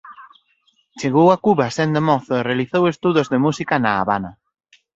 Chegou a Cuba sendo mozo e realizou estudos de música na Habana.